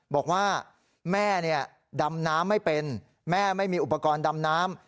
บอกว่าแม่ดำน้ำไม่เป็นแม่ไม่มีอุปกรณ์ดำน้ำ